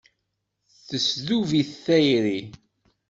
Tesdub-it tayri.